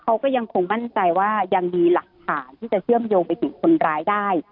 เขาก็ยังคงมั่นใจว่ายังมีหลักฐานที่จะเชื่อมโยงไปถึงคนร้ายได้